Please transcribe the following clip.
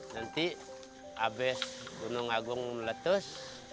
nanti habis gunung agung meletus